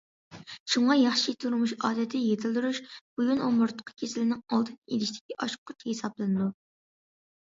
شۇڭا، ياخشى تۇرمۇش ئادىتى يېتىلدۈرۈش بويۇن ئومۇرتقا كېسىلىنىڭ ئالدىنى ئېلىشتىكى ئاچقۇچ ھېسابلىنىدۇ.